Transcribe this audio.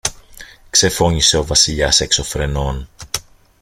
ξεφώνισε ο Βασιλιάς έξω φρενών.